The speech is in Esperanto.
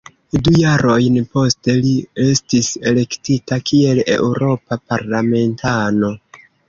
Du jarojn poste, li estis elektita kiel eŭropa parlamentano.